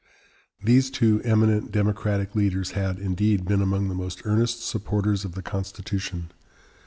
These two eminent Democratic leaders had, indeed, been among the most earnest supporters of the Constitution.